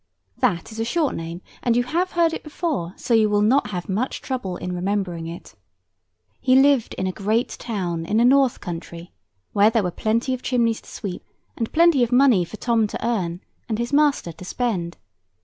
That is a short name, and you have heard it before, so you will not have much trouble in remembering it. He lived in a great town in the North country, where there were plenty of chimneys to sweep, and plenty of money for Tom to earn and his master to spend.